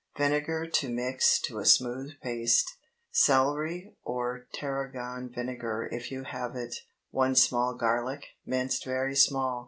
Vinegar to mix to a smooth paste—celery or Tarragon vinegar if you have it. 1 small garlic, minced very small.